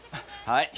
はい。